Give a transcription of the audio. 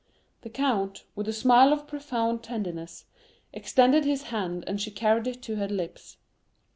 The count, with a smile of profound tenderness, extended his hand, and she carried it to her lips.